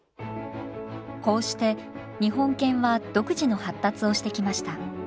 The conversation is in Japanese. こうして日本犬は独自の発達をしてきました。